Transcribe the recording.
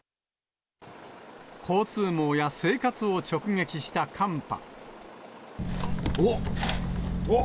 交通網や生活を直撃した寒波。